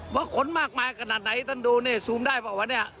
ว่าคนมากมายขนาดไหนท่านดูนี่ซูมได้เปล่าวะเนี่ย